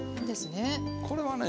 これはね